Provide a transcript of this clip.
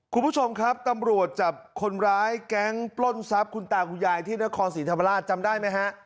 คุณผู้ชมครับตำรวจจับคนร้ายแก๊งปล้นทรัพย์คุณตาคุณยายที่นครศรีธรรมราชจำได้ไหมฮะ